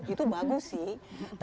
itu bagus sih